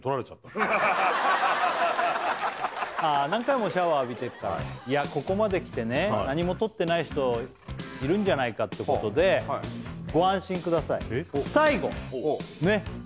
ちょうどねああ何回もシャワー浴びてるからはいいやここまできてね何もとってない人いるんじゃないかってことでご安心くださいえっ？